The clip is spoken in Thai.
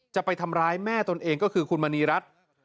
จะไปทำร้ายแม่ตนเองก็คือคุณมณีรัฐ